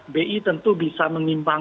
bi tentu bisa menimbang